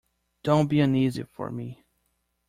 Don't be uneasy for me!